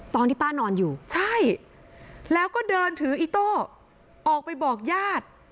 ตอนที่ป้านอนอยู่ใช่แล้วก็เดินถืออิโต้ออกไปบอกญาติ